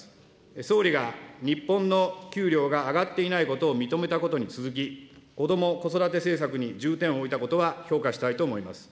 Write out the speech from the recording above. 総理が日本の給料が上がっていないことを認めたことに続き、こども・子育て政策に重点を置いたことは評価したいと思います。